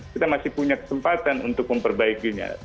kita masih punya kesempatan untuk memperbaiki hal itu